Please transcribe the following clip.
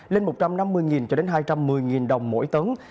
lên một trăm năm mươi cho đến hai trăm một mươi đồng mỗi tấn